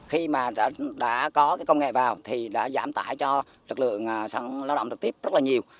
khi mà đã có công nghệ vào thì đã giảm tải cho lực lượng lao động trực tiếp rất là nhiều